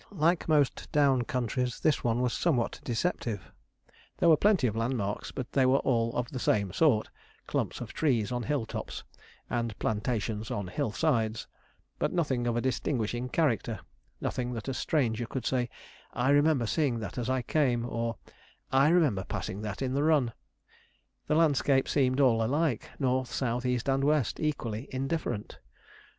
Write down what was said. Like most down countries, this one was somewhat deceptive; there were plenty of landmarks, but they were all the same sort clumps of trees on hill tops, and plantations on hill sides, but nothing of a distinguishing character, nothing that a stranger could say, 'I remember seeing that as I came'; or, 'I remember passing that in the run.' The landscape seemed all alike: north, south, east, and west, equally indifferent.